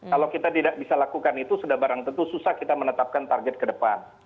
kalau kita tidak bisa lakukan itu sudah barang tentu susah kita menetapkan target ke depan